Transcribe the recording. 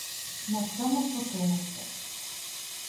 На цьому прокинувся.